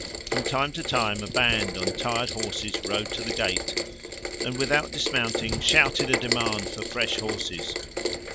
From time to time a band on tired horses rode to the gate and, without dismounting, shouted a demand for fresh horses.